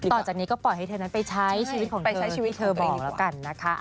ต่อจากนี้ก็ปล่อยให้เธอนั้นไปใช้ชีวิตของเธอที่เธอบอกแล้วกันนะคะ